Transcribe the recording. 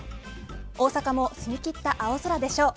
大阪も澄み切った青空でしょう。